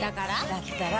だったら。